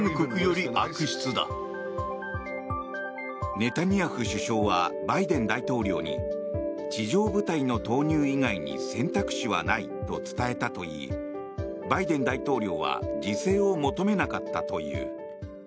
ネタニヤフ首相はバイデン大統領に地上部隊の投入以外に選択肢はないと伝えたといいバイデン大統領は自制を求めなかったという。